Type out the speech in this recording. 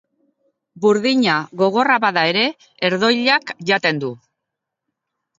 Burdina, gogorra bada ere, herdoilak jaten du.